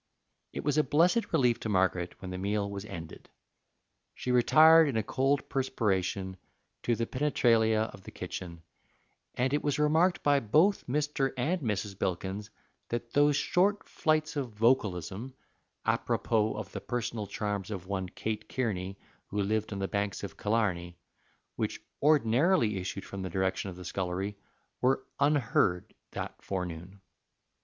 It was a blessed relief to Margaret when the meal was ended. She retired in a cold perspiration to the penetralia of the kitchen, and it was remarked by both Mr. and Mrs. Bilkins that those short flights of vocalism apropos of the personal charms of one Kate Kearney, who lived on the banks of Killarney which ordinarily issued from the direction of the scullery, were unheard that forenoon.